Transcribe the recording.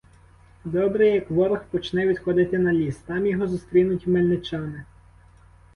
Добре, як ворог почне відходити на ліс, — там його зустрінуть мельничани.